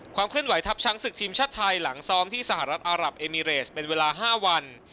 ความเคลื่อนไหทัพช้างศึกทีมชาติไทยหลังซ้อมที่สหรัฐอารับเอมิเรสเป็นเวลา๕วัน